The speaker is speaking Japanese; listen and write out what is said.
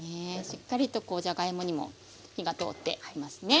しっかりとじゃがいもにも火が通っていますね。